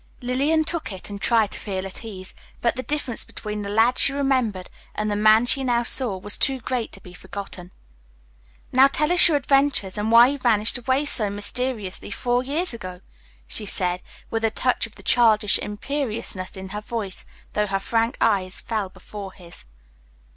Lillian took it and tried to feel at ease, but the difference between the lad she remembered and the man she now saw was too great to be forgotten. "Now tell us your adventures, and why you vanished away so mysteriously four years ago," she said, with a touch of the childish imperiousness in her voice, though her frank eyes fell before his.